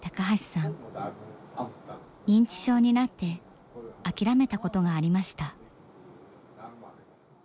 認知症になって諦めたことがありました。